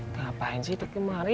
ngapain sih itu kemari